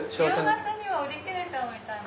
夕方には売り切れちゃうので。